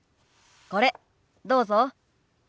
これどうぞ。